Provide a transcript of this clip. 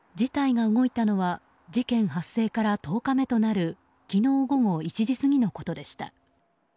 事態が動いたのは事件発生から１０日目となる昨日午後１時過ぎのことでした。